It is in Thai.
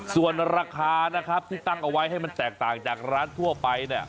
ส่วนราคานะครับที่ตั้งเอาไว้ให้มันแตกต่างจากร้านทั่วไปเนี่ย